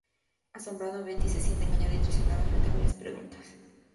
Asombrada, Beti se siente engañada y traicionada, frente a varias preguntas.